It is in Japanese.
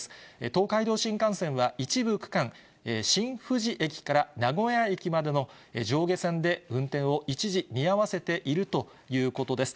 東海道新幹線は一部区間、新富士駅から名古屋駅までの上下線で運転を一時見合わせているということです。